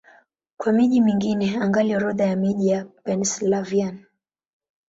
Kwa miji mingine, angalia Orodha ya miji ya Pennsylvania.